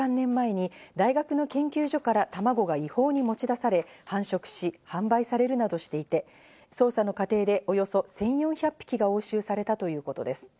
このメダカはおよそ１３年前に大学の研究所からたまごが違法に持ち出され、繁殖し、販売されるなどしていて、捜査の過程でおよそ１４００匹が押収されたということです。